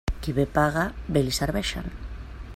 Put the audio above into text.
Qui bé paga, bé li serveixen.